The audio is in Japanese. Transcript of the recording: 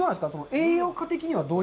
栄養価的には？